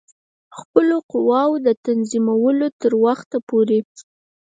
خپلو قواوو د تنظیمولو تر وخته پوري.